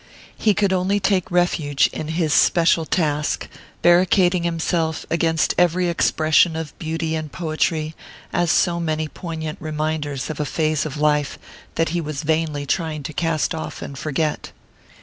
He could only take refuge in his special task, barricading himself against every expression of beauty and poetry as so many poignant reminders of a phase of life that he was vainly trying to cast off and forget.